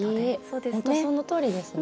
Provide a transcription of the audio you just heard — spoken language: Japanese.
本当、そのとおりですね。